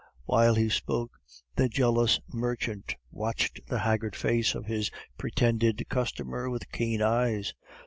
While he spoke, the jealous merchant watched the haggard face of his pretended customer with keen eyes.